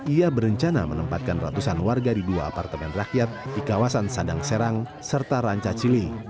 ia berencana menempatkan ratusan warga di dua apartemen rakyat di kawasan sadang serang serta ranca cili